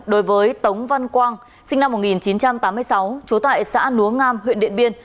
đối với tống văn quang sinh năm một nghìn chín trăm tám mươi sáu trú tại xã núa ngam huyện điện biên